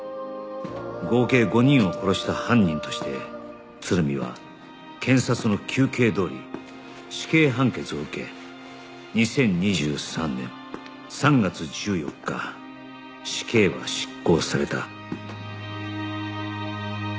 合計５人を殺した犯人として鶴見は検察の求刑どおり死刑判決を受け２０２３年３月１４日死刑は執行された